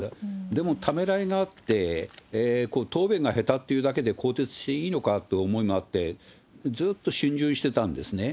でも、ためらいがあって、答弁が下手というだけで更迭していいのかという思いもあって、ずっとしゅん巡してたんですね。